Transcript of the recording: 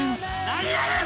何やねん！